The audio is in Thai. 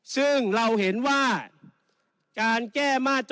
ซึ่งเราเห็นว่าการแก้มาตรา๗